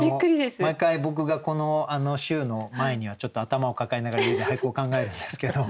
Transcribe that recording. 毎回僕がこの週の前にはちょっと頭を抱えながら家で俳句を考えるんですけど。